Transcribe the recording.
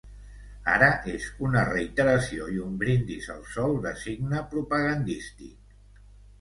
Ara és una reiteració i un brindis al sol de signe propagandístic.